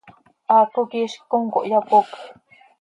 Haaco quih iizc com cohyapocj.